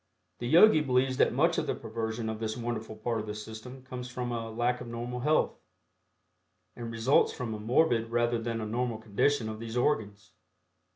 The Yogi believes that much of the perversion of this wonderful part of the system comes from a lack of normal health, and results from a morbid rather than a normal condition of these organs.